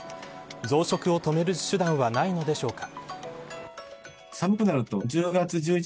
増殖を止める手段はないのでしょうか。